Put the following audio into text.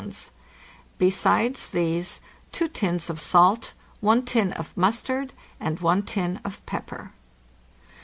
: 208 Besides these, 2 tins of salt, 1 tin of mustard, and I tin of pepper.